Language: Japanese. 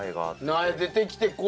苗出てきてこう。